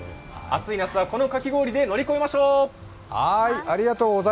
暑い夏はこのかき氷で乗り越えましょう！